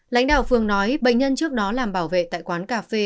lãnh đạo phường nói bệnh nhân trước đó làm bảo vệ tại quán cà phê